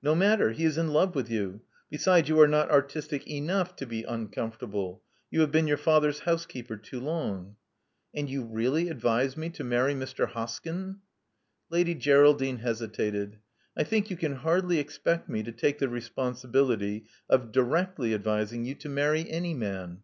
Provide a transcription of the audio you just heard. *'No matter. He is in love with you. Besides, you are not artistic enough to be uncomfortable. . You have been your father's housekeeper too long." And you really advise me to marry Mr. Hoskyn?" Lady Geraldine hesitated. *'I think you can hardly expect me to take the responsibility of directly advis ing you to marry any man.